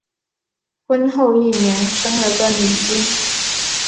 婚后一年生了个女婴